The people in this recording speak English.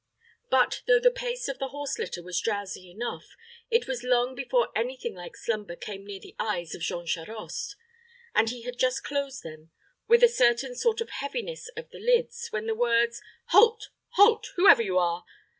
But, though the pace of the horse litter was drowsy enough, it was long before any thing like slumber came near the eyes of Jean Charost; and he had just closed them, with a certain sort of heaviness of the lids, when the words "Halt, halt, whoever you are!"